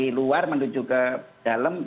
di luar menuju ke dalam